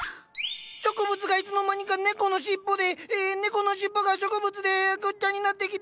植物がいつの間にか猫の尻尾で猫の尻尾が植物でごっちゃになってきて。